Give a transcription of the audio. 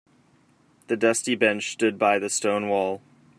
The dusty bench stood by the stone wall.